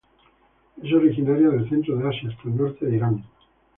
Es originaria del centro de Asia hasta el norte de Irán.